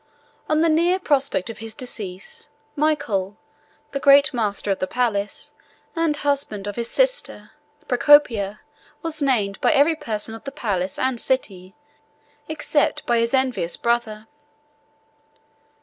On the near prospect of his decease, Michael, the great master of the palace, and the husband of his sister Procopia, was named by every person of the palace and city, except by his envious brother.